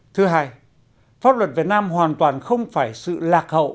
thứ hai pháp luật việt nam hoàn toàn không phải sự lạc hậu